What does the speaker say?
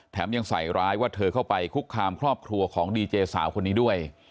ยังใส่ร้ายว่าเธอเข้าไปคุกคามครอบครัวของดีเจสาวคนนี้ด้วย